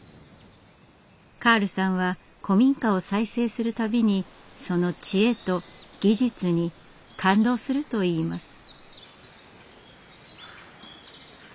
カールさんは古民家を再生する度にその知恵と技術に感動するといいます。